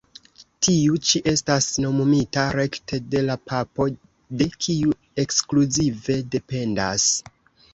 Tiu ĉi estas nomumita rekte de la Papo, de kiu ekskluzive dependas.